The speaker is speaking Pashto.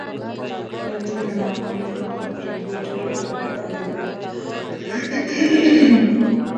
له تېرو ناويلو خبرېدل ډېر اړین دي.